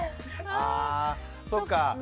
あそっか。